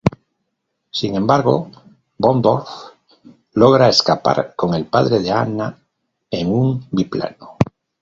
Sin embargo, Von Dorf logra escapar con el padre de Anna en un biplano.